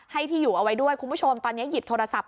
ให้ที่อยู่เอาไว้ด้วยคุณผู้ชมตอนนี้หยิบโทรศัพท์